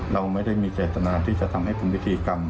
เราไม่ได้มีเจตนาที่จะทำให้เป็นพิธีกรรม